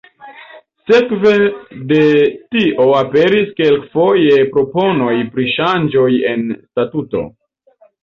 Sekve de tio aperis kelkfoje proponoj pri ŝanĝoj en statuto.